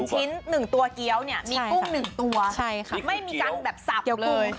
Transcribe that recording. ชิ้น๑ตัวเกี้ยวเนี่ยมีกุ้ง๑ตัวไม่มีการแบบสับเลย